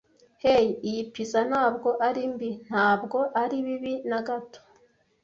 Hey, iyi pizza ntabwo ari mbi. Ntabwo ari bibi na gato.